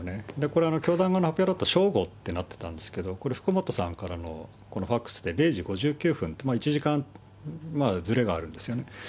これ、教団の発表だと正午ってなっていたんですけれども、これ福本さんからのファックスで、０時５９分って１時間ずれがあるんですよね。